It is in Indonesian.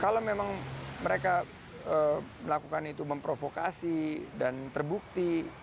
kalau memang mereka melakukan itu memprovokasi dan terbukti